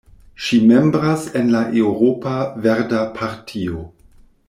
Ŝi membras en la Eŭropa Verda Partio.